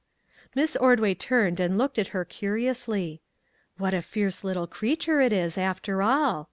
Miss Ordway turned and looked at her curi ously. " What a fierce little creature it is, after all